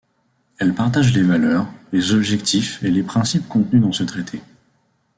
Elle partage les valeurs, les objectifs et les principes contenus dans ce traité.